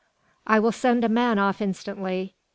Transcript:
"I will send a man off instantly.